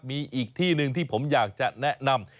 มีอีกที่หนึ่งที่ผมอยากจะแนะนำ